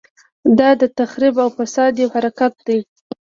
دا د تخریب او فساد یو حرکت دی.